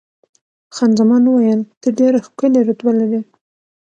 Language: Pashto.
خان زمان وویل، ته ډېره ښکلې رتبه لرې.